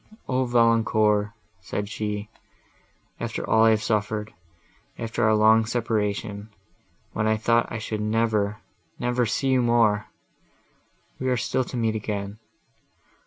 "O, Valancourt!" said she, "after all I have suffered; after our long, long separation, when I thought I should never—never see you more—we are still to meet again!